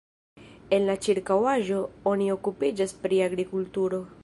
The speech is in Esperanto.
En la ĉirkaŭaĵo oni okupiĝas pri agrikulturo.